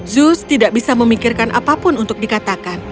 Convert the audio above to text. zuz tidak bisa memikirkan apapun untuk dikatakan